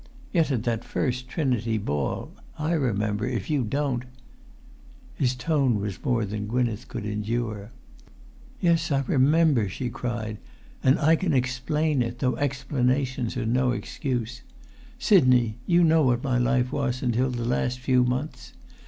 "Yet at the First Trinity ball, I remember, if you don't——" His tone was more than Gwynneth could endure. "Yes, I remember," she cried; "and I can explain it, though explanations are no excuse. Sidney, you know what my life was until the last few months?